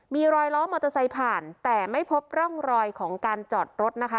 มีรอยล้อมอเตอร์ไซค์ผ่านแต่ไม่พบร่องรอยของการจอดรถนะคะ